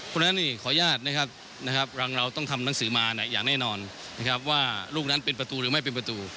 เพราะฉะนั้นนี่ขออนุญาตนะครับเราต้องทำหนังสือมาอย่างแน่นอนนะครับว่าลูกนั้นเป็นประตูหรือไม่เป็นประตู